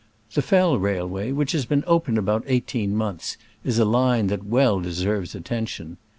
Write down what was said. The Fell railway, which has been open about eighteen months, is a line that well deserves attention.